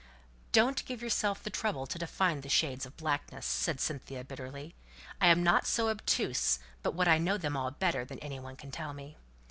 "Don't give yourself the trouble to define the shades of blackness," said Cynthia, bitterly. "I'm not so obtuse but what I know them all better than any one can tell me.